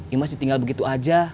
imas ditinggal begitu aja